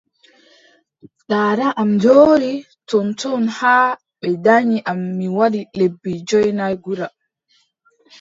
Daada am jooɗi ton ton haa ɓe danyi am mi waɗi lebbi joweenay guda.